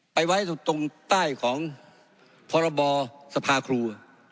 ไปไว้ตรงใต้ของพรบสภาครู